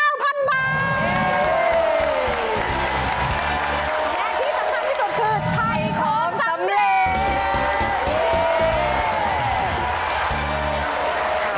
และที่สำคัญที่สุดคือ